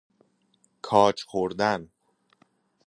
کاج خوردن